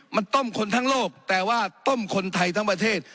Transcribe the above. มันต้มคนทั้งโลกแต่ว่าต้มคนไทยทั้งประเทศ